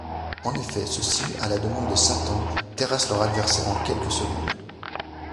En effet, ceux-ci, à la demande de Satan, terrassent leurs adversaires en quelques secondes.